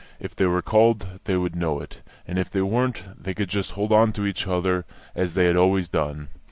If they were called, they would know it; and if they weren't, they could just hold on to each other as they had always done.